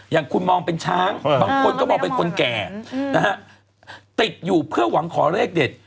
อย่างคุณมองเป็นช้างบางคนก็มองเป็นคนแก่นะฮะติดอยู่เพื่อหวังขอเลขเด็ด